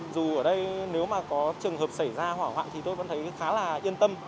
dù ở đây nếu có trường hợp xảy ra hỏa hoạng thì tôi vẫn thấy khá là yên tâm